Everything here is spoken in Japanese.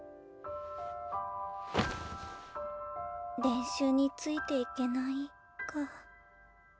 練習についていけないか。